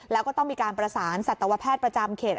แล้วก็ต้องมีการประสานสัตวแพทย์ประจำเขต